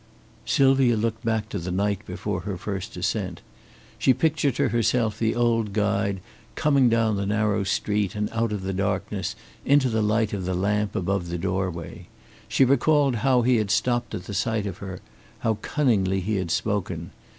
Sylvia looked back to the night before her first ascent. She pictured to herself the old guide coming down the narrow street and out of the darkness into the light of the lamp above the doorway. She recalled how he had stopped at the sight of her, how cunningly he had spoken.